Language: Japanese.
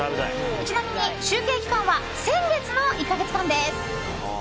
ちなみに集計期間は先月の１か月間です。